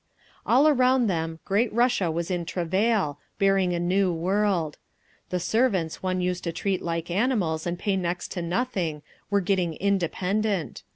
All around them great Russia was in travail, bearing a new world. The servants one used to treat like animals and pay next to nothing, were getting independent.